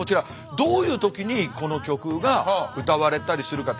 どういう時にこの曲が歌われたりするかって。